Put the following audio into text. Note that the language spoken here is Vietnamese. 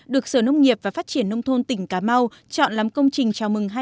được sở nông nghiệp và phát triển nông thôn tỉnh cà mau chọn làm công trình chào mừng